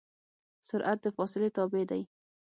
سرعت د فاصلې تابع دی.